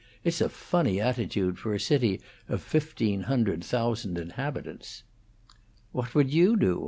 It's a funny attitude for a city of fifteen hundred thousand inhabitants." "What would you do?"